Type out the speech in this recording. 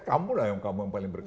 kamu lah yang paling berkepentingan